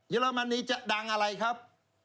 อรมนีจะดังอะไรครับ